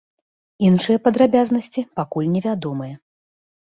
Іншыя падрабязнасці пакуль не вядомыя.